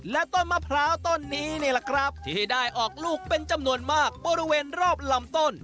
และต้นมะพร้าวต้นนี้นี่แหละครับที่ได้ออกลูกเป็นจำนวนมากบริเวณรอบลำต้น